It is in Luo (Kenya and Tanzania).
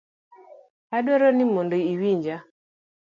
Adwaro ni mondo iwinja.